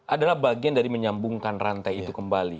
adalah bagian dari menyambungkan rantai itu kembali